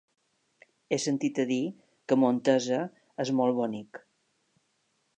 He sentit a dir que Montesa és molt bonic.